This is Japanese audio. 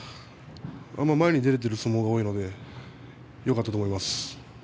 前に出れている相撲が多いのでよかったと思います。